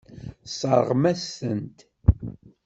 Tesseṛɣem-as-tent.